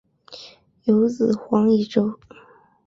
有子黄以周。